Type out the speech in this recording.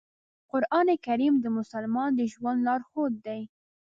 قرآن کریم د مسلمان د ژوند لارښود دی.